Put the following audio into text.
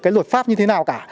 cái luật pháp như thế nào cả